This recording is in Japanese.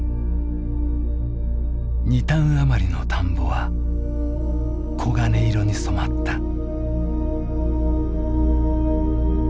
２反余りの田んぼは黄金色に染まった。